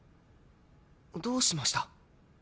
どうしました？